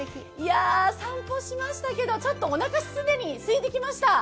散歩しましたけど、おなか、既にすいてきました。